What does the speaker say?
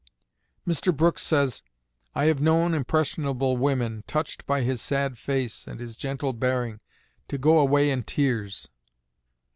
Mr. Brooks says, "I have known impressionable women, touched by his sad face and his gentle bearing, to go away in tears."